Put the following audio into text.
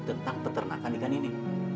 tentang peternakan ikan ini